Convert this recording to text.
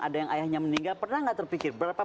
ada yang ayahnya meninggal pernah nggak terpikir berapa